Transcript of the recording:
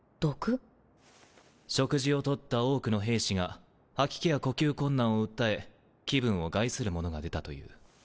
食事を取った多くの兵士が吐き気や呼吸困難を訴え気分を害する者が出たという。